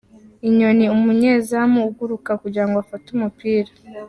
Inyoni: Umunyezamu uguruka kugirango afate umupira.